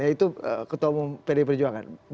yaitu ketua pempartai perjuangan